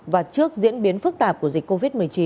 và trước diễn biến phức tạp của dịch covid một mươi chín